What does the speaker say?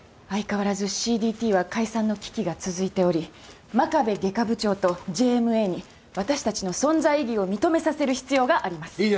相変わらずＣＤＴは解散の危機が続いており真壁外科部長とＪＭＡに私たちの存在意義を認めさせる必要があります。